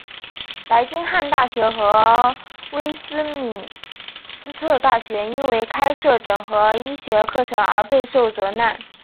白金汉大学和威斯敏斯特大学因为开设整合医学课程而备受责难。